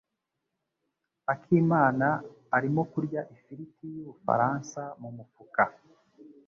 Akimana arimo kurya ifiriti yubufaransa mumufuka.